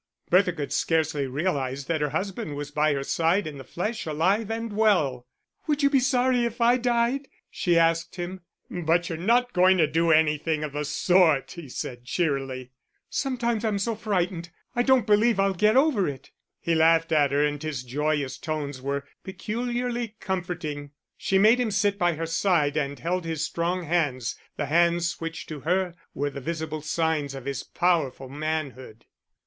Bertha could scarcely realise that her husband was by her side in the flesh, alive and well. "Would you be sorry if I died?" she asked him. "But you're not going to do anything of the sort," he said, cheerily. "Sometimes I'm so frightened, I don't believe I'll get over it." He laughed at her, and his joyous tones were peculiarly comforting. She made him sit by her side and held his strong hands, the hands which to her were the visible signs of his powerful manhood.